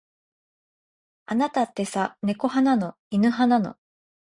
あなたってさ、猫派なの。犬派なの。